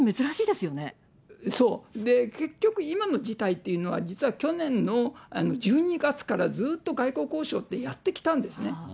そう、で、結局今の事態っていうのは、実は去年の１２月からずっと外交交渉ってやってきたんですね。